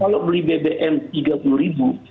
kalau beli bbm rp tiga puluh